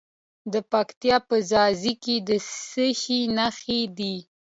د پکتیا په ځاځي کې د څه شي نښې دي؟